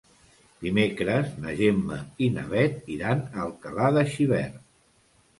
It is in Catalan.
Dimecres na Gemma i na Bet iran a Alcalà de Xivert.